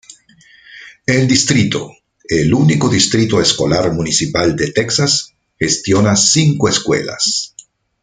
El distrito, el único distrito escolar municipal de Texas, gestiona cinco escuelas.